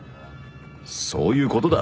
そういうことだ。